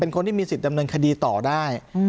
คนที่มีสิทธิ์ดำเนินคดีต่อได้